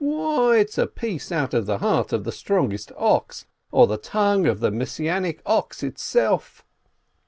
Why, it's a piece out of the heart of the strongest ox, or the tongue of the Messianic ox itself!